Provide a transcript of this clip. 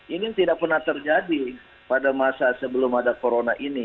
ini tidak pernah terjadi pada masa sebelum ada corona ini